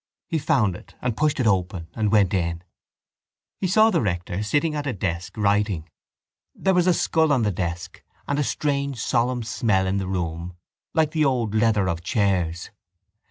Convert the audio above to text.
He found it and pushed it open and went in. He saw the rector sitting at a desk writing. There was a skull on the desk and a strange solemn smell in the room like the old leather of chairs.